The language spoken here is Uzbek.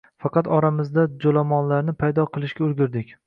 Faqat oramizda joʻlomonlarni paydo qilishga ulgurdik.